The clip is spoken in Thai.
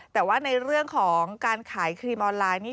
แต่ว่าในเรื่องของการขายครีมออนไลน์นี่